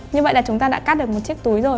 như vậy là chúng ta đã cắt được một chiếc túi rồi